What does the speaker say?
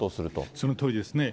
そのとおりですね。